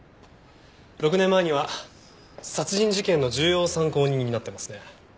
６年前には殺人事件の重要参考人になってますね。